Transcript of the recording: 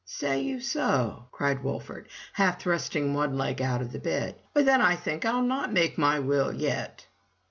"Say you so?" cried Wolfert, half thrusting one leg out of bed, *Vhy, then I think I'll not make my will yet!"